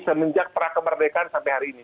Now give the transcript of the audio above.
semenjak prakemerdekaan sampai hari ini